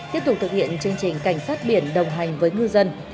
tiếp tục thực hiện chương trình cảnh sát biển đồng hành với ngư dân